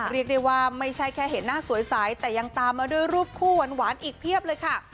เรียกได้ว่าไม่ใช่แค่เห็นหน้าสวยใสแต่ยังตามมาด้วยรูปคู่หวานอีกเพียบเลยค่ะ